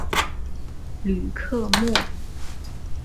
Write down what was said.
吕克莫。